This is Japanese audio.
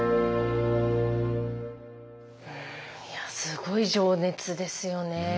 いやすごい情熱ですよね。